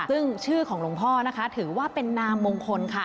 ซึ่งชื่อของหลวงพ่อนะคะถือว่าเป็นนามมงคลค่ะ